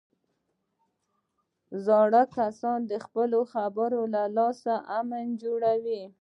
زاړه کسان د خپلو خبرو له لارې امن جوړوي